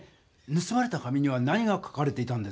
ぬすまれた紙には何が書かれていたんですか？